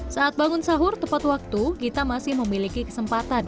saat bangun sahur tepat waktu kita masih memiliki kesempatan